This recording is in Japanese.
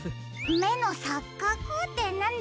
めのさっかくってなんですか？